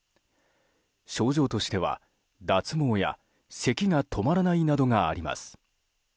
症状としては脱毛や、せきが止まらないなどがあります。